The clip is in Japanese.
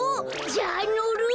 じゃあのる。